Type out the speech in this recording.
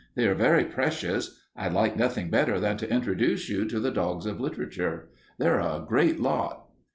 They are very precious. I'd like nothing better than to introduce you to the dogs of literature. They're a great lot."